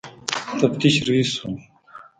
تفتیش رییس وو.